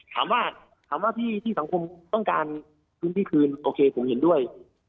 ถามว่าถามว่าที่สังคมต้องการพื้นที่คืนโอเคผมเห็นด้วย